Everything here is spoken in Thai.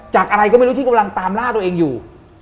อะไรก็ไม่รู้ที่กำลังตามล่าตัวเองอยู่